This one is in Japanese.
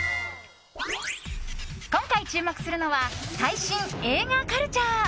今回注目するのは最新映画カルチャー。